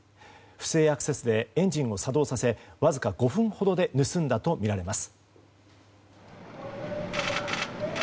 不正アクセスでエンジンを作動させわずか５分ほどで盗んだとみられます。